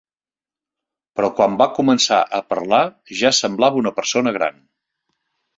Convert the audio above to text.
Però quan va començar a parlar ja semblava una persona gran.